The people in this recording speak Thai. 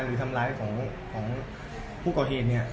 หรือทำลายของผู้เกาเหย่น